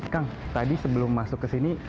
kang tadi sebelum masuk ke sini